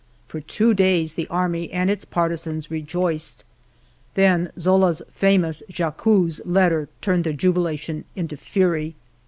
For two days the army and its partisans rejoiced. Then Zola's famous ^^ J' accuse^' letter turned their jubilation into fury.